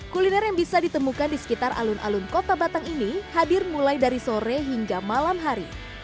kuliner yang bisa ditemukan di sekitar alun alun kota batang ini hadir mulai dari sore hingga malam hari